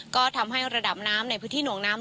ก็ทำให้ระดับน้ำในพื้นที่หน่วงน้ำ